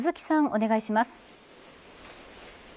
お願いします。